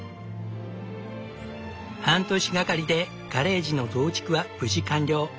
半年がかりでガレージの増築は無事完了。